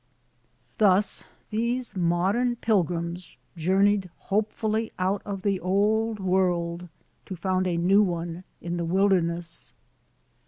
Thus these modem pilgrims journeyed hope fully out of the old world, to found a new one in the wilderness.